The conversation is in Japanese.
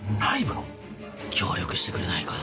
協力してくれないか？